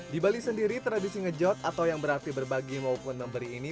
di bali sendiri tradisi ngejot atau yang berarti berbagi maupun memberi ini